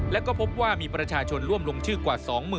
และก็พบว่ามีประชาชนร่วมลงชื่อกว่า๒๐๐๐